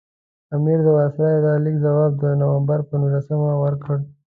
امیر د وایسرا د لیک ځواب د نومبر پر نولسمه ورکړ.